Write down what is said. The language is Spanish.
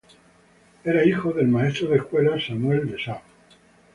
Era hijo del rabino y maestro de escuela Samuel Dessau.